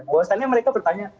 bahwasanya mereka bertanya